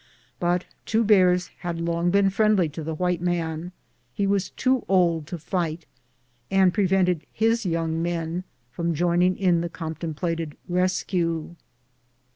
Two Bears had long been friendly to the white man ; he was too old to fight, and prevented his young men from joining in the contemplated rescue.